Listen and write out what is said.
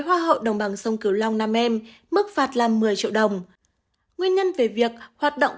hoa hậu đồng bằng sông cửu long nam em mức phạt là một mươi triệu đồng nguyên nhân về việc hoạt động